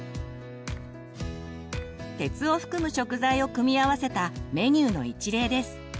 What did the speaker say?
鉄を含む食材を組み合わせたメニューの一例です。